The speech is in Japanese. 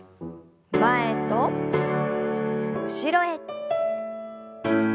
前と後ろへ。